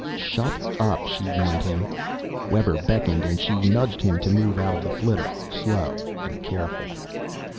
"Shut up," she warned him. Webber beckoned and she nudged him to move out of the flitter. "Slow and careful."